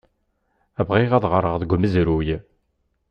Bɣiɣ ad ɣreɣ deg umezruy.